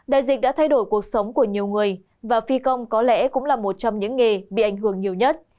đại dịch đã thay đổi cuộc sống của nhiều người và phi công có lẽ cũng là một trong những nghề bị ảnh hưởng nhiều nhất